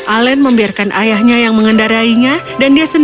alan membiarkan ayahnya yang mengendarainya dan dia sendiri pergi ke sekolah dengan sepeda